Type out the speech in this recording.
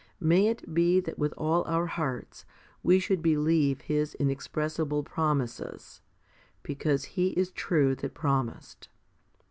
May it be that with all our hearts we should believe His inexpressible promises, be cause He is true that promised.